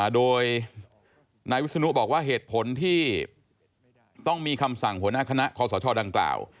โดยนายวิศนุบอกว่าเหตุผลที่ต้องมีคำสั่งหัวหน้าคณะคอสชดังกล่าว